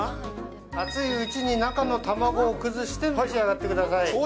熱いうちに、中の卵を崩して召し上がってください。